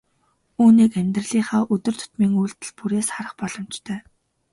Үүнийг амьдралынхаа өдөр тутмын үйлдэл бүрээс харах боломжтой.